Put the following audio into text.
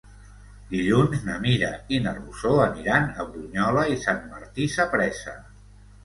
Dilluns na Mira i na Rosó aniran a Brunyola i Sant Martí Sapresa.